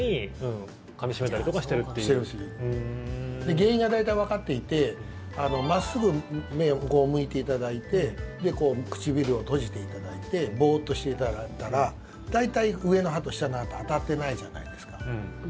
原因が大体わかっていて真っすぐ目を向いていただいて唇を閉じていただいてボーッとしていただいたら大体、上の歯と下の歯は当たっていないじゃないですか。